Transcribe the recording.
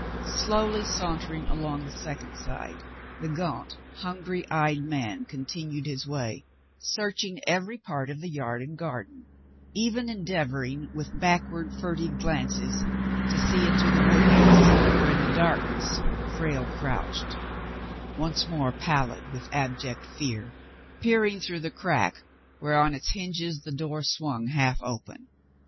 Slowly sauntering along the second side, the gaunt, hungry eyed man continued his way, searching every part of the yard and garden, even endeavoring, with backward, furtive glances, to see into the woodhouse, where in the darkness Frale crouched, once more pallid with abject fear, peering through the crack where on its hinges the door swung half open.